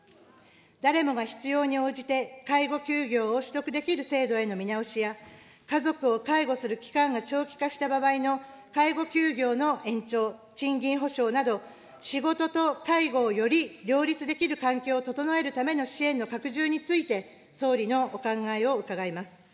誰もが必要に応じて介護休業を取得できる制度への見直しや、家族を介護する期間が長期化した場合の介護休業の延長、賃金補償など、仕事と介護をより両立できる環境を整えるための支援の拡充について、総理のお考えを伺います。